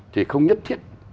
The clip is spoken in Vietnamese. thì không nhất thiết